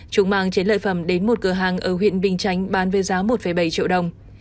chúng mang chế lợi phẩm đến một cửa hàng ở huyện bình chánh bán với giá một bảy triệu đồng